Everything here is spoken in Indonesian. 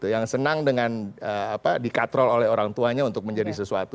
yang senang dengan dikatrol oleh orang tuanya untuk menjadi sesuatu